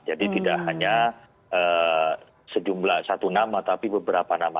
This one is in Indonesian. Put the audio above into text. jadi tidak hanya sejumlah satu nama tapi beberapa nama